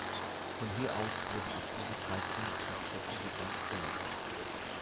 Von hier aus wurden ab diesem Zeitpunkt die Geschäfte der Bank gelenkt.